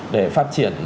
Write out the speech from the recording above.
để phát triển